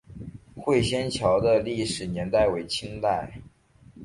会仙桥的历史年代为清代。